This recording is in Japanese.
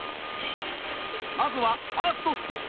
まずはファーストステップ。